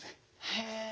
へえ。